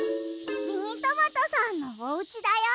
ミニトマトさんのおうちだよ。